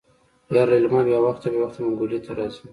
يره ليلما بې وخته بې وخته منګلي ته راځي.